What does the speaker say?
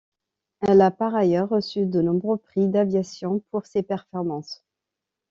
Elle a par ailleurs reçu de nombreux prix d'aviation pour ses performances.